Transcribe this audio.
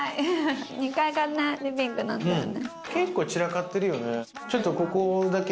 ２階がリビングなんだよね。